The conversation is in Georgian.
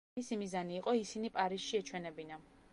მისი მიზანი იყო ისინი პარიზში ეჩვენებინა.